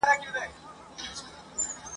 چي په زرهاوو کسان یې تماشې ته وروتلي ول ..